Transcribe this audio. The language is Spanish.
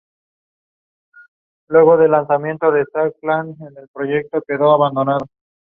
Su plan se viene abajo cuando es descubierto y encarcelado por malversación de fondos.